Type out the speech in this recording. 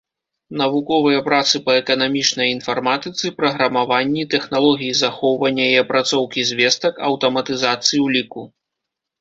Навуковыя працы па эканамічнай інфарматыцы, праграмаванні, тэхналогіі захоўвання і апрацоўкі звестак, аўтаматызацыі ўліку.